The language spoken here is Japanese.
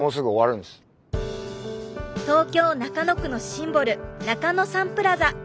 東京・中野区のシンボル中野サンプラザ。